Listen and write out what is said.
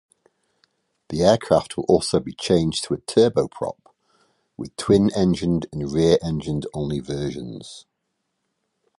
The aircraft will also be changed to a turboprop, with twin-engined and rear-engined-only versions.